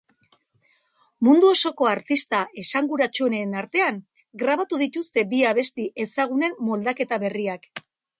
Mundu osoko artista esanguratsuenen artean grabatu dituzte bi abesti ezagunen moldaketa berriak.